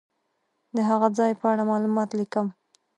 د هغه ځای په اړه معلومات لیکم.